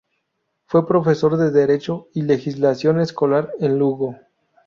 Fue Profesor de Derecho y Legislación Escolar en Lugo.